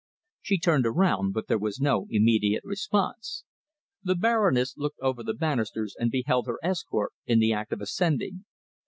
She turned around, but there was no immediate response. The Baroness looked over the banisters and beheld her escort in the act of ascending.